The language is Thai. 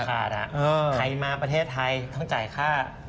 ใครมาประเทศไทยต้องจ่ายค่า